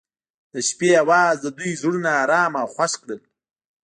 د شپه اواز د دوی زړونه ارامه او خوښ کړل.